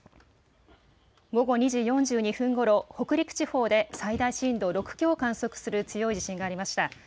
午後２時４２分ごろ、北陸地方で最大震度６強を観測する強い地震がありました。